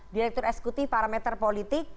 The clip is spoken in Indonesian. direktur eksekutif parameter politik